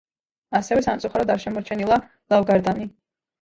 ასევე სამწუხაროდ არ შემორჩენილა ლავგარდანი.